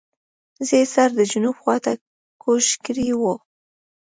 زه یې سر د جنوب خواته کوږ کړی وو.